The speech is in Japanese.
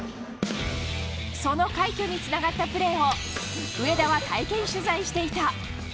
その快挙に繋がったプレーを上田は体験取材していた。